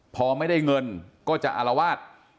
พอไม่ได้เงินก็จะอารวาส